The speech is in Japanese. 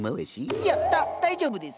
いやだ大丈夫です。